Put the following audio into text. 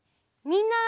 みんな！